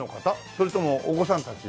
それともお子さんたち？